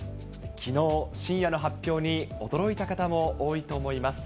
きのう、深夜の発表に驚いた方も多いと思います。